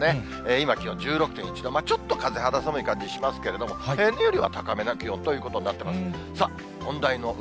今、気温１６．１度、ちょっと風肌寒い感じしますけれども、平年よりは高めの気温となっていますね。